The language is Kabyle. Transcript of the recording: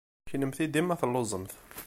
Kennemti dima telluẓemt!